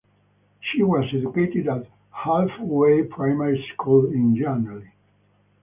She was educated at Halfway Primary School in Llanelli.